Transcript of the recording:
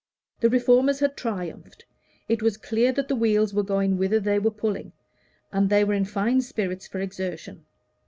The Reformers had triumphed: it was clear that the wheels were going whither they were pulling, and they were in fine spirits for exertion.